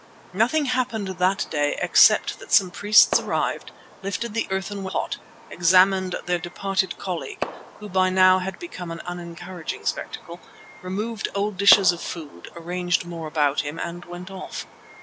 Nothing happened that day except that some priests arrived, lifted the earthenware pot, examined their departed colleague, who by now had become an unencouraging spectacle, removed old dishes of food, arranged more about him, and went off.